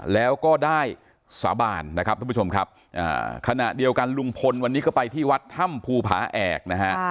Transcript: แล้วก็ได้สาบานนะครับทุกผู้ชมครับขณะเดียวกันลุงพลวันนี้ก็ไปที่วัดถ้ำภูผาแอกนะฮะ